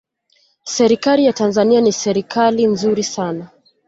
serikali ya tanzania ni serikali nzuri sana